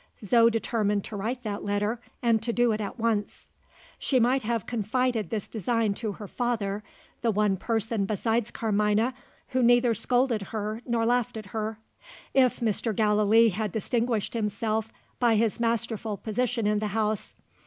Zo determined to write that letter and to do it at once. She might have confided this design to her father (the one person besides Carmina who neither scolded her nor laughed at her) if Mr. Gallilee had distinguished himself by his masterful position in the house.